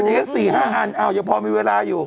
เช่นอ่ะหุ่นเอสสี่ห้างอันอ้าวเจ้าพ่อมีเวลาอยู่